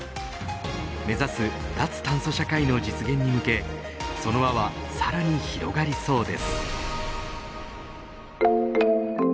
目指す脱炭素社会の実現に向けその輪はさらに広がりそうです。